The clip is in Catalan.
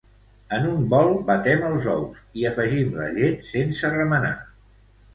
En un bol batem els ous, hi afegim la llet sense remenar.